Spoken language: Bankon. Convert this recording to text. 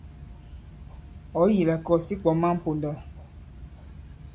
Ɔ̀̌ yi la kɔ̀s ǐ kwɔ̀ man ponda.